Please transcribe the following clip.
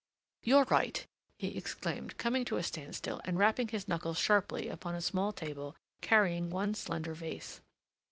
"You're right," he exclaimed, coming to a standstill and rapping his knuckles sharply upon a small table carrying one slender vase.